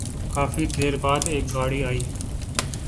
کافی دیر بعد ایک گاڑی آئی ۔